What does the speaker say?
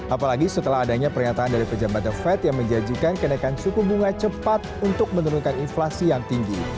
apalagi setelah adanya pernyataan dari pejabat the fed yang menjanjikan kenaikan suku bunga cepat untuk menurunkan inflasi yang tinggi